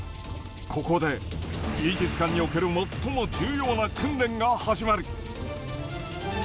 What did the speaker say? ここで、イージス艦における最も重要な訓練が始まる。